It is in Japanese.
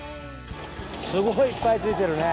すごいいっぱいついてるね。